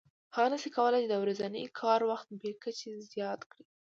هغه نشي کولای د ورځني کار وخت بې کچې زیات کړي